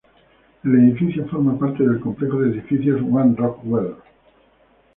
El edificio forma parte del complejo de edificios One Rockwell.